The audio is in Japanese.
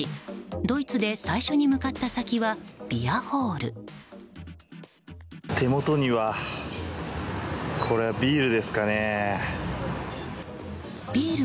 ドイツで最初に向かった先はビアホール。